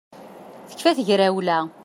Tekfa tegrawla